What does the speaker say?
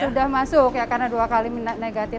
sudah masuk ya karena dua kali negatif